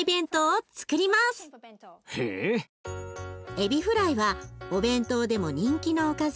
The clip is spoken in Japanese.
エビフライはお弁当でも人気のおかず。